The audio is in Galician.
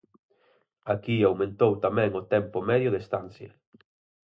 Aquí aumentou tamén o tempo medio de estancia.